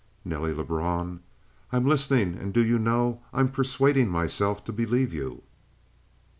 "Nelly Lebrun " "I'm listening; and do you know I'm persuading myself to believe you?"